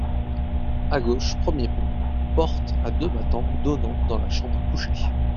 A gauche, premier plan, porte à deux battants donnant dans la chambre à coucher.